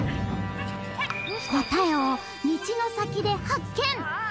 答えを道の先で発見